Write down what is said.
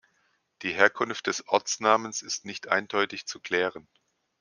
Die Herkunft des Ortsnamens ist nicht eindeutig zu klären.